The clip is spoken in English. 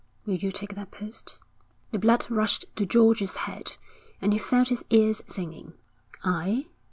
Will you take that post?' The blood rushed to George's head, and he felt his ears singing. 'I?'